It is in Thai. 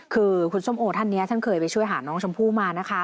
คือคุณส้มโอท่านนี้ท่านเคยไปช่วยหาน้องชมพู่มานะคะ